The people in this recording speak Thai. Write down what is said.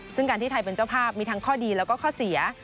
ซึ่งการที่ไทยเป็นเจ้าภาพมีทั้งข้อดีแล้วก็ข้อเสีย